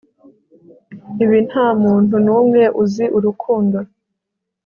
ibi nta muntu n'umwe uzi urukundo